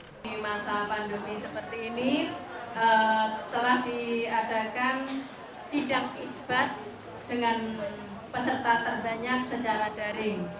di masa pandemi seperti ini telah diadakan sidang isbat dengan peserta terbanyak secara daring